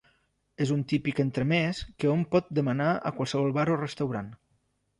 És un típic entremès que hom pot demanar a qualsevol bar o restaurant.